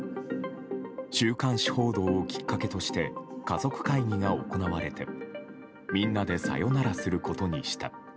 週刊誌報道をきっかけとして家族会議が行われてみんなでさよならすることにした。